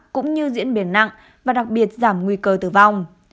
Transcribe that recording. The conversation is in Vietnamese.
cũng như diễn biến nặng và đặc biệt giảm nguy cơ tử vong